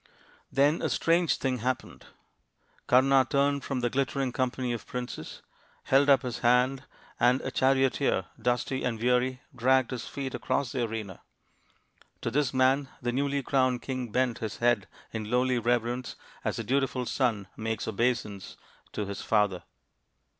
Then a strange thing happened. Kama turned from the glittering company of princes, held up his hand, and a charioteer, dusty and weary, dragged his feet across the arena. To this man the newly crowned king bent his head in lowly reverence, as a dutiful son makes obeisance to his father.